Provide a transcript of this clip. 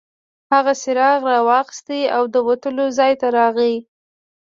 هغه څراغ راواخیست او د وتلو ځای ته راغی.